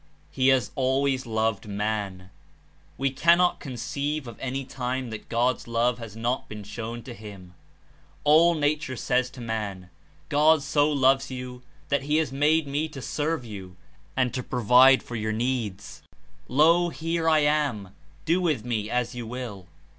He has always loved man. We cannot conceive of any time that God's love has not been shown to him. All nature says to man: "God so loves you that he has made me to serve you and to provide for your needs. Lo, here I am! Do with me as you will."